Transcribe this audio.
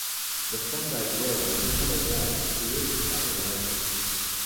The fungi grow on the tunnel walls created by the larvae.